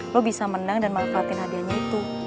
lo bisa menang dan memanfaatin hadihnya itu